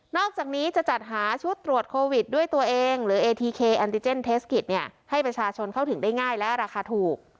อกจากนี้จะจัดหาชุดตรวจโควิดด้วยตัวเองหรือเอทีเคแอนติเจนเทสกิจให้ประชาชนเข้าถึงได้ง่ายและราคาถูก